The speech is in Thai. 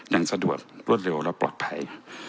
ยังสะดวกรวดเร็วและปลอดภัย